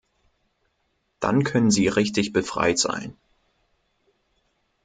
Dann können sie richtig befreit sein.